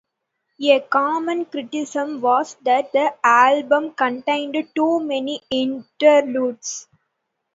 A common criticism was that the album contained too many interludes.